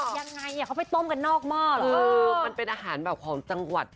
ยังไงอ่ะเขาไปต้มกันนอกหม้อเหรอเออมันเป็นอาหารแบบของจังหวัด